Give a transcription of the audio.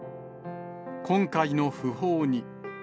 今回の訃報に。